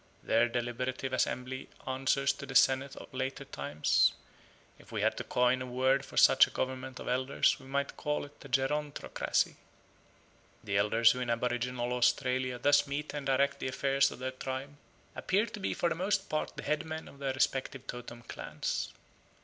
Their deliberative assembly answers to the senate of later times: if we had to coin a word for such a government of elders we might call it a gerontocracy. The elders who in aboriginal Australia thus meet and direct the affairs of their tribe appear to be for the most part the headmen of their respective totem clans.